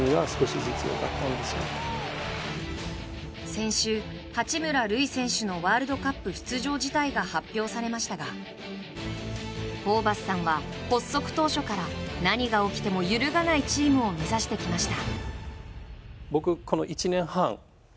先週、八村塁選手のワールドカップ出場辞退が発表されましたがホーバスさんは発足当初から何が起きても揺るがないチームを目指してきました。